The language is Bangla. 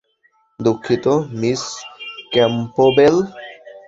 দুঃখিত, মিস ক্যাম্পবেল।